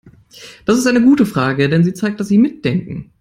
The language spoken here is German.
Das ist eine gute Frage, denn sie zeigt, dass Sie mitdenken.